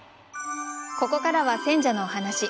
ここからは選者のお話。